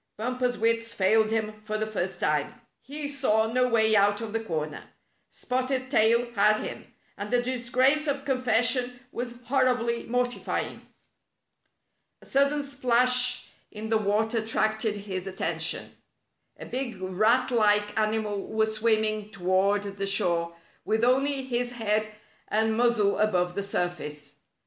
Bumper's wits failed him for the first time. He saw no way out of the corner. Spotted Tail had him, and the disgrace of confession was hor ribly mortifying. A sudden splash in the water attracted his at tention. A big rat like animal was swimming toward the shore, with only his head and muzzle above the surface.